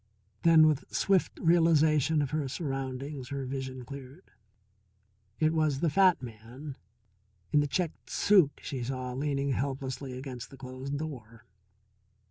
Then with swift realization of her surroundings, her vision cleared. It was the fat man in the checked suit she saw leaning helplessly against the closed door.